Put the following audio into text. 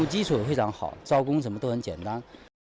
công ngũ kỹ thuật rất là tốt giao công rất là đơn giản